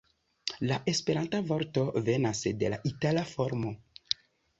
La Esperanta vorto venas de la itala formo.